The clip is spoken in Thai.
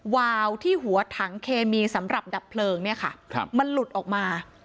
วาวที่หัวถังเคมีสำหรับดับเพลิงเนี่ยค่ะมันหลุดออกมา